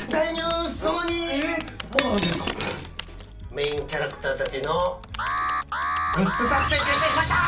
メインキャラクターたちのグッズ作製決定しました！